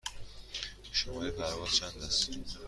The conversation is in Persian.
شماره پرواز چند است؟